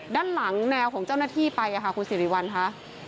ด้านหลังแนวของเจ้าหน้าที่ไปค่ะคุณสิริวัลค่ะ